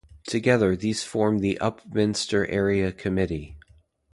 Together these form the Upminster Area Committee.